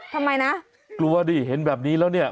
ทำไมนะกลัวดิเห็นแบบนี้แล้วเนี่ย